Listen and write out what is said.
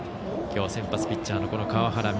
きょう先発ピッチャーの川原